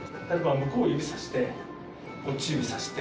向こう指さしてこっち指さして。